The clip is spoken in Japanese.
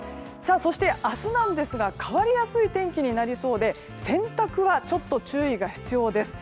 そして、明日なんですが変わりやすい天気になりそうで洗濯はちょっと注意が必要です。